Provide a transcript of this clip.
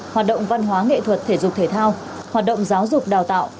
hoạt động văn hóa nghệ thuật thể dục thể thao hoạt động giáo dục đào tạo